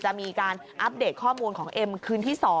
จะมีการอัปเดตข้อมูลของเอ็มคืนที่๒